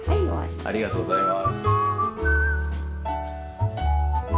ありがとうございます。